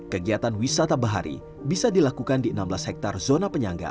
kegiatan wisata bahari bisa dilakukan di enam belas hektare zona penyangga